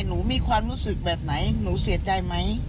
หนูมีความรู้สึกแบบไหนหนูเสียใจไหม